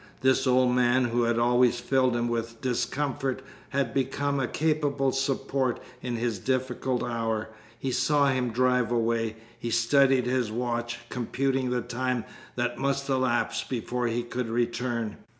This old man, who had always filled him with discomfort, had become a capable support in his difficult hour. He saw him drive away. He studied his watch, computing the time that must elapse before he could return.